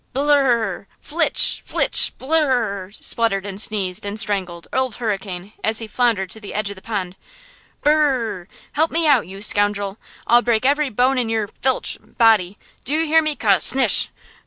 "Blurr urr rr! flitch! flitch! Blurr! ur!" spluttered and sneezed and strangled, Old Hurricane, as he floundered to the edge of the pond–" Burr urr rr! Help me out, you scoundrel! I'll break every bone in your–flitch! body! Do you hear me–ca snish!